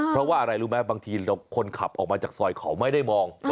เพราะว่าอะไรรู้ไหมบางทีคนขับออกมาจากซอยเขาไม่ได้มอง